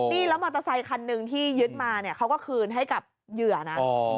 นี่แล้วมอเตอร์ไซคันหนึ่งที่ยึดมาเนี่ยเขาก็คืนให้กับเหยื่อนะ